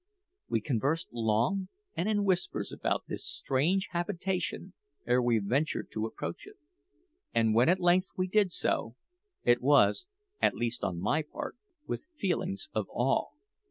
We conversed long and in whispers about this strange habitation ere we ventured to approach it; and when at length we did so, it was, at least on my part, with feelings of awe.